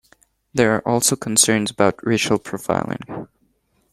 There are also concerns about racial profiling.